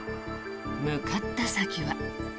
向かった先は。